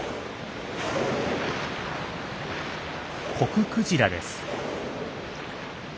コククジラです。